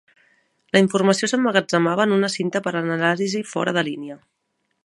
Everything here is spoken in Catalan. La informació s'emmagatzemava en una cinta per a l'anàlisi fora de línia.